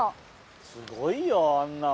すごいよあんなの。